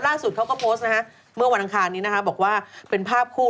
เขาก็โพสต์นะฮะเมื่อวันอังคารนี้นะคะบอกว่าเป็นภาพคู่